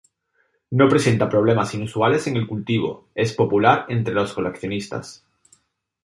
No presenta problemas inusuales en el cultivo; es popular entre los coleccionistas.